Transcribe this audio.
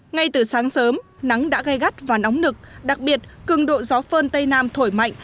ngay từ sáng sớm nắng đã gai gắt và nóng nực đặc biệt cường độ gió phơn tây nam thổi mạnh